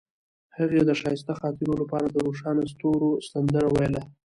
هغې د ښایسته خاطرو لپاره د روښانه ستوري سندره ویله.